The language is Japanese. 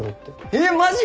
えっマジ？